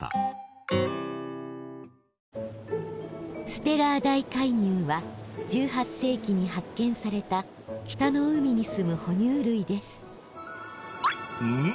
ステラーダイカイギュウは１８世紀に発見された北の海にすむほ乳類ですん？